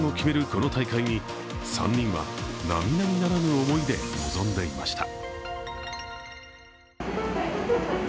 この大会に３人は並々ならぬ思いで臨んでいました。